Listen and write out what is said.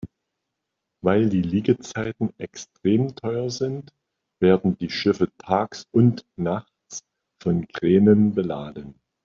Weil die Liegezeiten extrem teuer sind, werden die Schiffe tags und nachts von Kränen beladen.